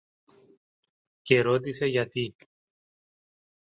και ρώτησε γιατί.